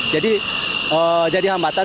jadi jadi hambatan